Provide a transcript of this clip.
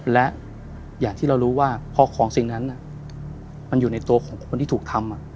และอย่างที่เรารู้ว่าพอของสิ่งนั้นมันอยู่ในตัวของคนที่ถูกทำ